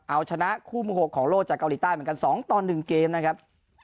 เอาชนะคู่มือ๖ของโลกจากเกาหลีใต้เหมือนกัน๒ต่อ๑เกมนะครับ